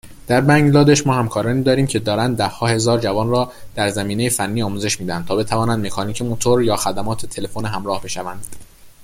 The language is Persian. در بنگلادش، ما همکارانی داریم که دارند دهها هزار جوان را در زمینه فنی آموزش میدهند، تا بتوانند مکانیک موتور، یا خدمات تلفن همراه بشوند